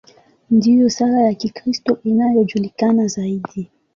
Ndiyo sala ya Kikristo inayojulikana zaidi.